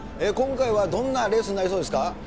今回はどんなレースになりそ